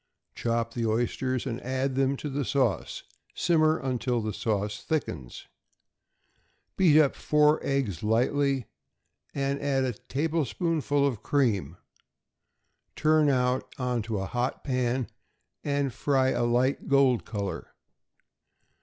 Chop the oysters, and add them to the sauce; simmer until the sauce thickens. Beat up four eggs lightly, and add a tablespoonful of cream; turn out into a hot pan, and fry a light gold color.